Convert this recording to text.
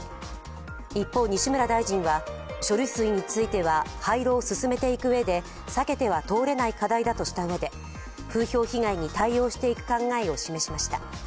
一方、西村大臣は処理水については廃炉を進めていくうえで避けては通れない課題だとしたうえで、風評被害に対応していく考えを示しました。